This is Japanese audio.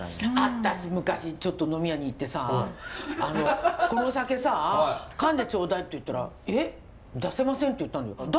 私昔ちょっと飲み屋に行ってさ「このお酒さ燗で頂戴」って言ったら「えっ出せません」って言ったんだよ。